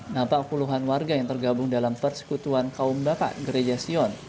nampak puluhan warga yang tergabung dalam persekutuan kaum bapak gereja sion